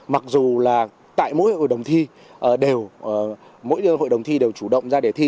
mặc dù là tại mỗi hội đồng thi đều chủ động ra để thi